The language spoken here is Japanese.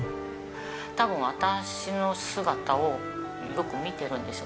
多分私の姿をよく見てるんですよね。